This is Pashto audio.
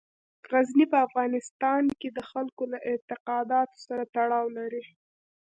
غزني په افغانستان کې د خلکو له اعتقاداتو سره تړاو لري.